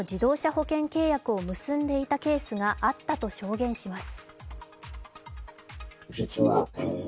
保険契約を結んでいたケースがあったと証言します。